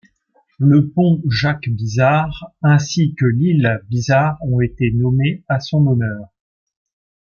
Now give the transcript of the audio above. Le pont Jacques-Bizard ainsi que l'île Bizard ont été nommés à son honneur.